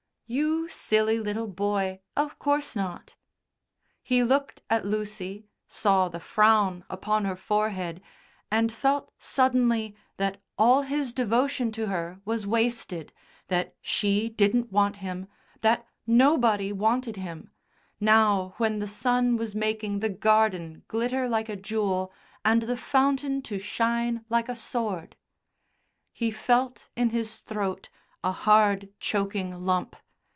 "You silly little boy, of course not." He looked at Lucy, saw the frown upon her forehead, and felt suddenly that all his devotion to her was wasted, that she didn't want him, that nobody wanted him now when the sun was making the garden glitter like a jewel and the fountain to shine like a sword. He felt in his throat a hard, choking lump.